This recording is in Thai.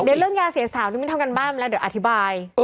เดี๋ยวเรื่องยาเสียสาวนี่ไม่ทำการบ้านมาแล้วเดี๋ยวอธิบาย